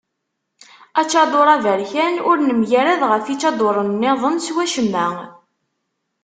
Aččadur aberkan ur nemgarad ɣef yiččaduren niḍen s wacemma.